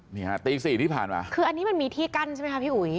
นี่ฮะตีสี่ที่ผ่านมาคืออันนี้มันมีที่กั้นใช่ไหมคะพี่อุ๋ย